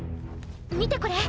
見てこれ。